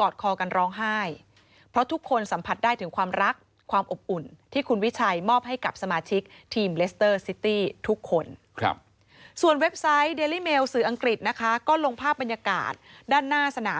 กอดคอกันร้องไห้เพราะทุกคนสัมผัสได้ถึงความรักความอบอุ่นที่คุณวิชัยมอบให้กับสมาชิกทีมเลสเตอร์ซิตี้ทุกคนส่วนเว็บไซต์เดลี่เมลสื่ออังกฤษนะคะก็ลงภาพบรรยากาศด้านหน้าสนาม